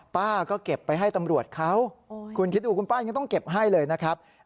ป้าก็เก็บไปให้ตำรวจเขาคุณคิดดูคุณป้ายังต้องเก็บให้เลยนะครับ